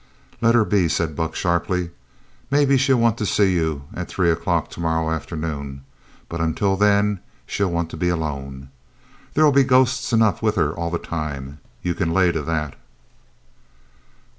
"Let her be!" said Buck sharply. "Maybe she'll want to see you at three o'clock tomorrow afternoon, but until then she'll want to be alone. There'll be ghosts enough with her all the time. You c'n lay to that."